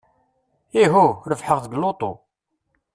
Iḥḥu! Rebḥeɣ deg luṭu.